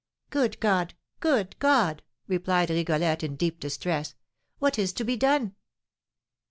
"Good God! Good God!" replied Rigolette, in deep distress; "what is to be done?"